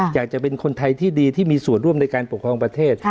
อยากจะเป็นคนไทยที่ดีที่มีส่วนร่วมในการปกครองประเทศ